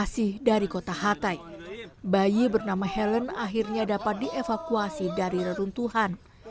masih dari kota hatay bayi bernama helen akhirnya dapat dievakuasi dari reruntuhan